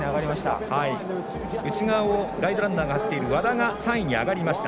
内側をガイドランナーが走っている和田が３位に上がりました。